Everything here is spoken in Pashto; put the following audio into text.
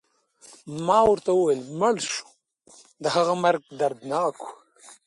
ما ورته وویل: مړ شو، د هغه مرګ دردناک و.